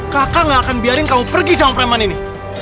kakak gak akan biarin kamu pergi sama preman ini